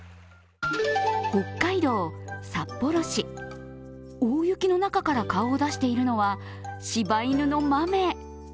北海道札幌市、大雪の中から顔を出しているのはしば犬の豆。